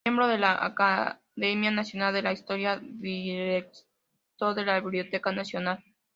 Miembro de la Academia Nacional de la Historia y director de la Biblioteca Nacional.